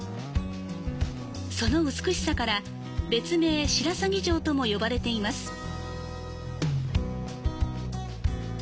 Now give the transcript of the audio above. その美しさから、別名、白鷺城とも呼ばれています。